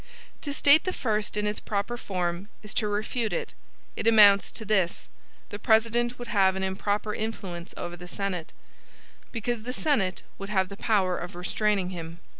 To state the first in its proper form, is to refute it. It amounts to this: the President would have an improper influence over the Senate, because the Senate would have the power of restraining him.